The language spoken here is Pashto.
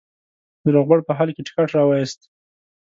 د روغبړ په حال کې ټکټ را وایست.